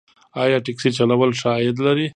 آیا ټکسي چلول ښه عاید لري؟